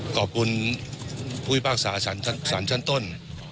ขอบคุณผู้พิพากษาสารชั้นต้น